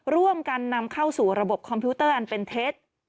ร่วมกันนำเข้าสู่ระบบคอมพิวเตอร์อันเป็นเท็จ